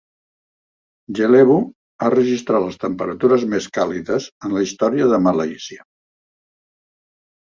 Jelebu ha registrat les temperatures més càlides en la història de Malàisia.